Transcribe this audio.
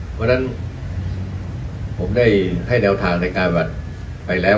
เพราะฉะนั้นผมได้ให้แนวทางในการวัดไปแล้ว